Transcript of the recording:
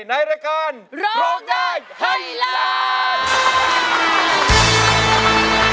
ในรายการโรคได้ให้ร้าน